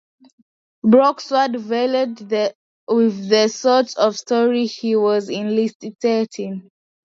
Brock's work varied with the sort of story he was illustrating.